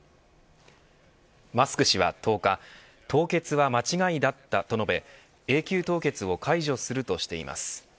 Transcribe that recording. マスク氏は１０日凍結は間違いだったと述べ永久凍結を解除するとしています。